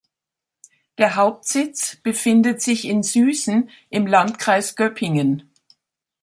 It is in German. Der Hauptsitz befindet sich in Süßen im Landkreis Göppingen.